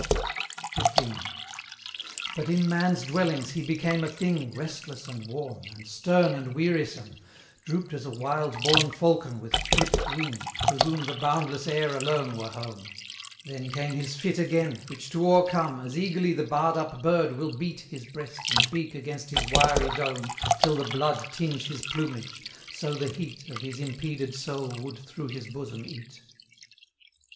XV. But in Man's dwellings he became a thing Restless and worn, and stern and wearisome, Drooped as a wild born falcon with clipt wing, To whom the boundless air alone were home: Then came his fit again, which to o'ercome, As eagerly the barred up bird will beat His breast and beak against his wiry dome Till the blood tinge his plumage, so the heat Of his impeded soul would through his bosom eat.